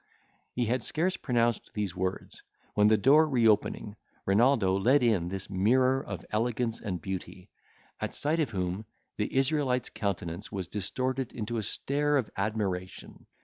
He had scarce pronounced these words, when the door, reopening, Renaldo led in this mirror of elegance and beauty, at sight of whom the Israelite's countenance was distorted into a stare of admiration.